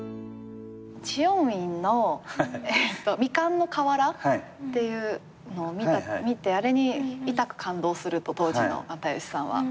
知恩院の未完の瓦っていうのを見てあれにいたく感動すると当時の又吉さんは。